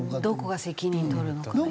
どこが責任取るのか。